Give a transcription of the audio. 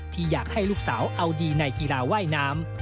ที่อยากให้ลูกสาวเอาดีในกีฬาว่ายน้ำ